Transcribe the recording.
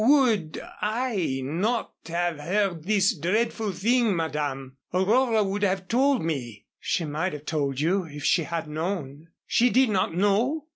"Would I not have heard this dreadful thing, Madame? Aurora would have told me." "She might have told you if she had known." "She did not know?"